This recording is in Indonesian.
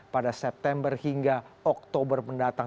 pada september hingga oktober mendatang